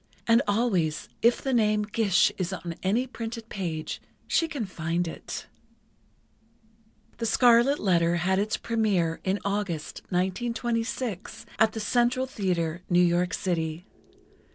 And always, if the name 'Gish' is on any printed page, she can find it." "The Scarlet Letter" had its première in August, 1926, at the Central Theatre, New York City.